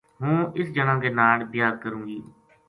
ہوں اس جنا کے ناڑ بیاہ کروں گی